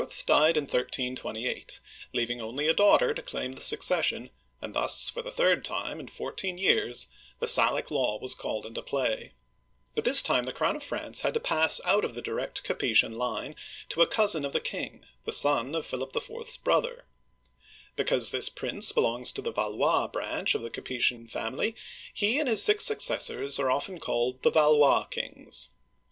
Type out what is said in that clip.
died in 1328, leaving only a daughter to claim the succession, and thus for the third time in four teen years the Salic Law was called into play. But this time the crown of France had to pass out of the direct Digitized by VjOOQIC 146 OLD FRANCE Capetian line to a cousin of the king, the son of Philip IV. *s brother (see pages 363, 364). Because this prince belongs to the Valois (va lwa') branch of the Capetian family, he and his six successors are often called the "Valois Kings."